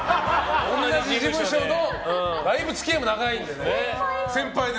同じ事務所でだいぶ付き合いも長いのでね。